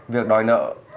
việc đòi nợ